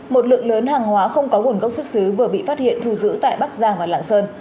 một lượng lớn hàng hóa không có nguồn gốc xuất xứ vừa bị phát hiện thu giữ tại bắc giang và lạng sơn